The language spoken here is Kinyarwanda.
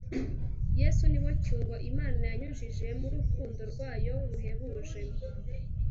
Yesu ni we cyungo Imana yanyujijemurukundo rwayo ruhebuie